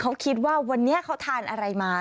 เขาคิดว่าวันนี้เขาทานอะไรมา